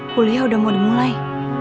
bulia udah mau dimulai